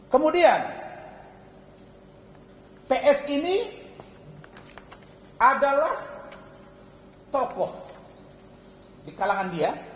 kemudian ps ini adalah tokoh di kalangan dia